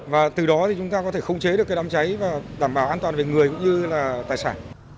và từ đó thì chúng ta có thể khống chế được cái đám cháy và đảm bảo an toàn về người cũng như là tài sản